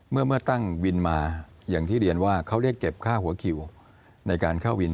เมื่อตั้งวินมาอย่างที่เรียนว่าเขาเรียกเก็บค่าหัวคิวในการเข้าวิน